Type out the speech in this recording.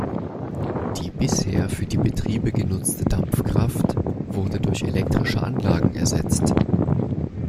Die bisher für die Betriebe genutzte Dampfkraft wurde durch elektrische Anlagen ersetzt.